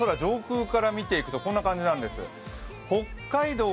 今の日本の空、上空から見ていくとこんな感じなんです。